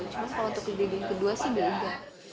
cuma kalau untuk kejadian kedua sih enggak enggak